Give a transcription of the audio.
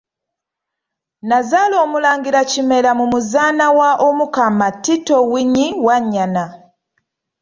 N'azaala omulangira Kimera mu muzaana wa Omukama Tito Winyi Wanyana.